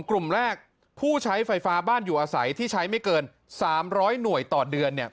กลุ่มแรกผู้ใช้ไฟฟ้าบ้านอยู่อาศัยที่ใช้ไม่เกิน๓๐๐หน่วยต่อเดือนเนี่ย